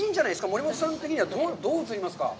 森本さん的にはどう映りますか。